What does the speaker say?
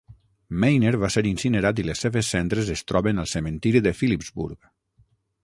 Meyner va ser incinerat i les seves cendres es troben al cementiri de Phillipsburg.